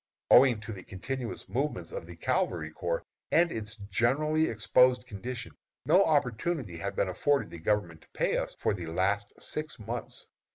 Owing to the continuous movements of the Cavalry Corps, and its generally exposed condition, no opportunity has been afforded the Government to pay us for the last six months.